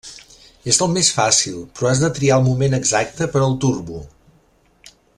És el més fàcil, però has de triar el moment exacte per al Turbo.